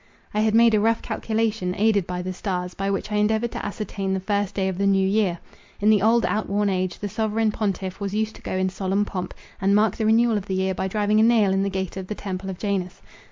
I had made a rough calculation, aided by the stars, by which I endeavoured to ascertain the first day of the new year. In the old out worn age, the Sovereign Pontiff was used to go in solemn pomp, and mark the renewal of the year by driving a nail in the gate of the temple of Janus.